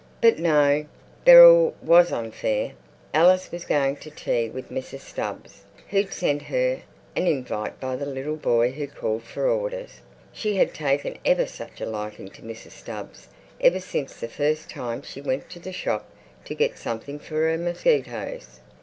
But no, Beryl was unfair. Alice was going to tea with Mrs Stubbs, who'd sent her an "invite" by the little boy who called for orders. She had taken ever such a liking to Mrs. Stubbs ever since the first time she went to the shop to get something for her mosquitoes.